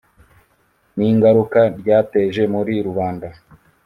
n’ingaruka ryateje muri rubanda